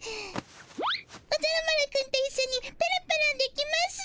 おじゃる丸くんといっしょにペロペロできますぅ。